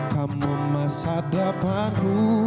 kamu masa depanku